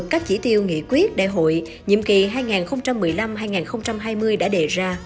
các chỉ tiêu nghị quyết đại hội nhiệm kỳ hai nghìn một mươi năm hai nghìn hai mươi đã đề ra